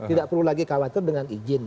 tidak perlu lagi khawatir dengan izin